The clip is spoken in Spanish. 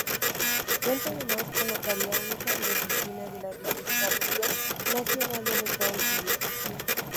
Cuenta además con Notaría única y oficina de la Registraduría nacional del Estado Civil.